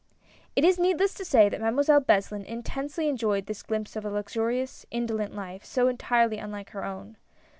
I T is needless to say that Mademoiselle Beslin in tensely enjoyed this glimpse of a luxurious, indolent life, so entirely unlike her own.